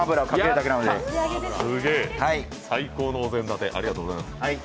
すげえ、最高のお膳立て、ありがとうございます。